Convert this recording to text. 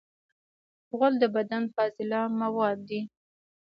غول د بدن فاضله مواد دي.